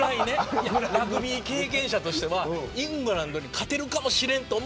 ラグビー経験者としてはイングランドに勝てるかもしれんと。